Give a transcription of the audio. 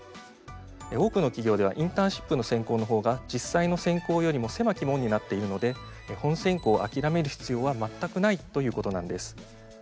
多くの企業ではインターンシップの選考のほうが実際の選考よりも狭き門になっているので本選考を諦める必要は全くないということなんです。